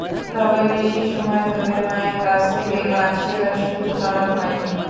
তবে বেশি সময় ধরে মায়ের কাছ থেকে গান শেখার সুযোগ আমার হয়নি।